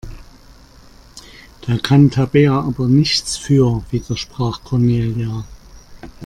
Da kann Tabea aber nichts für, widersprach Cornelia.